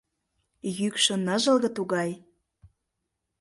Йӱкшӧ ныжылге тугай...